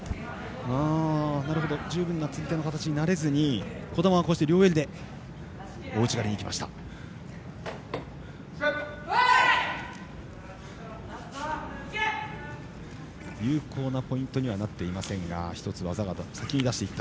十分な釣り手の形になれずに児玉は両襟で大内刈りにいきました。